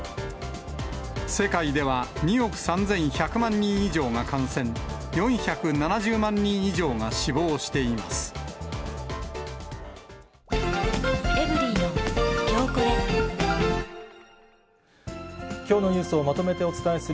世界では２億３１００万人以上が感染、４７０万人以上が死亡しています。